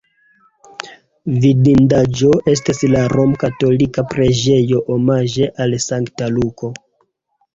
Vidindaĵo estas la romkatolika preĝejo omaĝe al Sankta Luko.